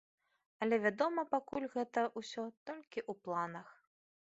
Але, вядома, пакуль гэта ўсё толькі ў планах.